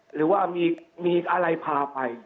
หรือว่ามีอะไรพาไป